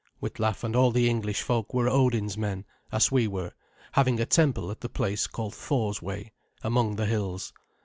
Witlaf and all the English folk were Odin's men, as we were, having a temple at the place called Thor's Way, among the hills.